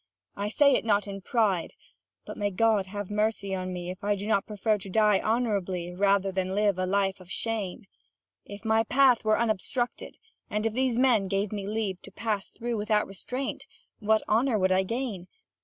I say it not in pride: but may God have mercy on me if I do not prefer to die honourably rather than live a life of shame! If my path were unobstructed, and if these men gave me leave to pass through without restraint, what honour would I gain?